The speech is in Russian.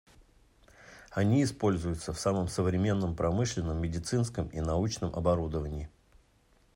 Они используются в самом современном промышленном, медицинском и научном оборудовании.